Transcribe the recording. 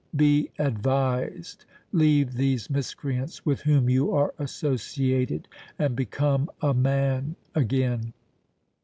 Be advised. Leave these miscreants with whom you are associated and become a man again!"